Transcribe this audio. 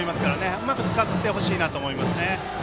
うまく使ってほしいなと思います。